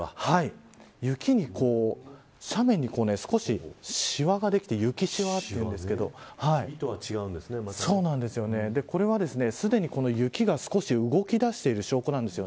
雪に、斜面に、しわができて雪しわというんですけどこれはすでに雪が少し動き出している証拠なんです。